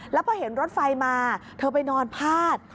แล้วพอเห็นรถไฟมาเธอไปนอนพาด